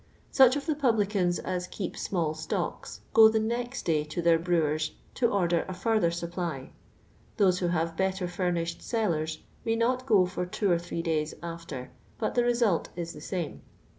Such of the publicans as keep small stocks go the next day to their brewers to order a further supply; those who have better furnished cellars may not go for two or three days after, but the result is the same.